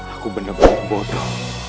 aku benar benar bohong